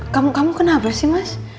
kamu kenapa sih mas